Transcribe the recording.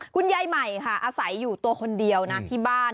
คุณยายใหม่ค่ะอาศัยอยู่ตัวคนเดียวนะที่บ้าน